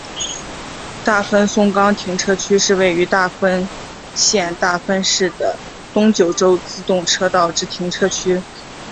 大分松冈停车区是位于大分县大分市的东九州自动车道之停车区。